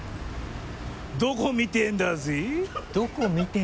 「どこ見てんだぜぇ」？